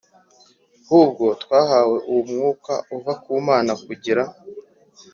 hubwo twahawe uwo Mwuka uva ku Mana kugira